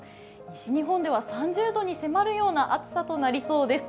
西日本では３０度に迫るような暑さとなりそうです。